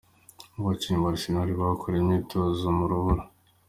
Abakinnyi ba Arsenal bakoreye imyitozo mu rubura.